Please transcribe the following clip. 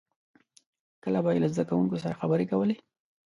• کله به یې له زدهکوونکو سره خبرې کولې.